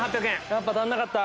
やっぱ足んなかった。